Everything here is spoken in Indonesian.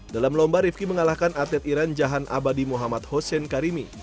dalam lomba rivki mengalahkan atlet iran jahan abadi muhammad hussein karimi